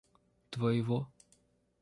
твоего